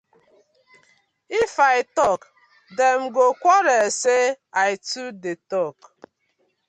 If I tok dem go quarll say I too dey tok.